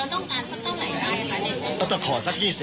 เราต้องการเพื่อนเท่าไหลค่ะ